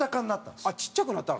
蛍原：ちっちゃくなったの？